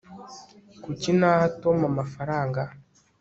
kuki naha tom amafaranga